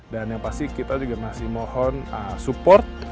dan yang pasti kita juga masih mohon support